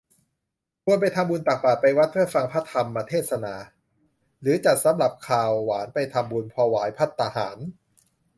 ควรไปทำบุญตักบาตร ไปวัดเพื่อฟังพระธรรมเทศนา หรือจัดสำรับคาวหวานไปทำบุญถวายภัตตาหาร